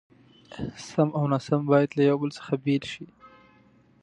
سم او ناسم بايد له يو بل څخه بېل شي.